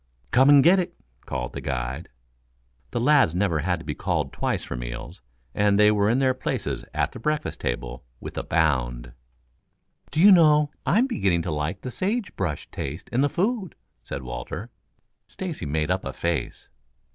"Come and get it!" called the guide. The lads never had to be called twice for meals, and they were in their places at the breakfast table with a bound. "Do you know, I'm beginning to like the sage brush taste in the food," said Walter. Stacy made up a face.